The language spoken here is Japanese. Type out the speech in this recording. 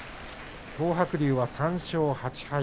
東白龍は３勝８敗。